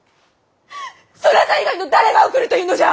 そなた以外の誰が送るというのじゃ！